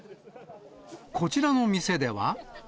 こちらの店では。